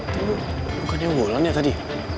tunggu bukannya wolan ya tadi